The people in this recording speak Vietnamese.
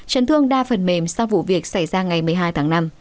chấn thương đa phần mềm sau vụ việc xảy ra ngày một mươi hai tháng năm